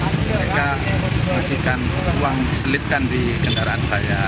mereka memberikan uang selipkan di kendaraan saya